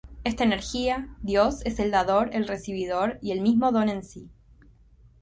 Esta energía, Dios, es el dador, el recibidor y el mismo don en sí.